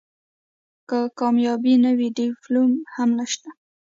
که کامیابي نه وي ډیپلوم هم نشته .